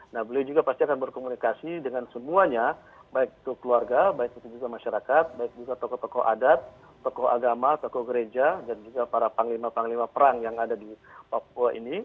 nah beliau juga pasti akan berkomunikasi dengan semuanya baik itu keluarga baik itu juga masyarakat baik juga tokoh tokoh adat tokoh agama tokoh gereja dan juga para panglima panglima perang yang ada di papua ini